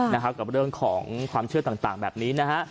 นะครับกับเรื่องของความเชื่อต่างแบบนี้นะฮะ